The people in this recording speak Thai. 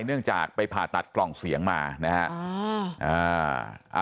เนื่องจากไปผ่าตัดกล่องเสียงมานะฮะ